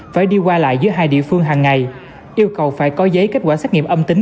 phải đi qua lại giữa hai địa phương hàng ngày yêu cầu phải có giấy kết quả xét nghiệm âm tính